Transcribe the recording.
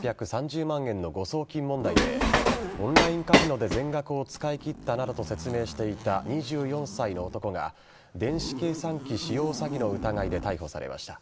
円の誤送金問題でオンラインカジノで全額を使い切ったなどと説明していた２４歳の男が電子計算機使用詐欺の疑いで逮捕されました。